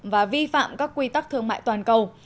và vi phạm các quy tắc thương mại toàn cầu